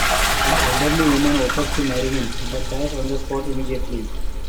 An elderly woman offers to marry him, but dies on the spot immediately.